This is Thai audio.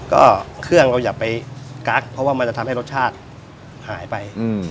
ก็เครื่องเราอย่าไปกั๊กเพราะว่ามันจะทำให้รสชาติหายไป